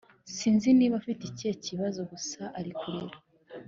sinzi niba afite ikihe kibazo gusa ari kurira